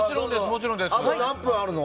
あと何分あるの？